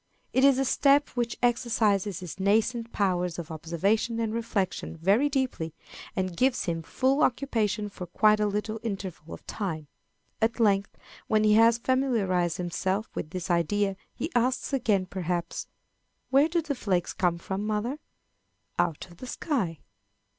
It is a step which exercises his nascent powers of observation and reflection very deeply, and gives him full occupation for quite a little interval of time. At length, when he has familiarized himself with this idea, he asks again, perhaps, "Where do the flakes come from, mother?" "Out of the sky."